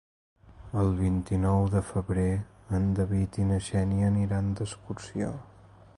El vint-i-nou de febrer en David i na Xènia aniran d'excursió.